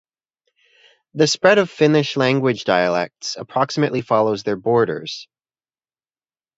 The spread of Finnish language dialects approximately follows their borders.